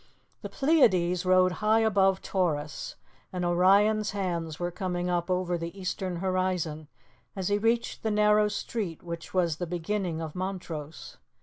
The Pleiades rode high above Taurus, and Orion's hands were coming up over the eastern horizon as he reached the narrow street which was the beginning of Montrose.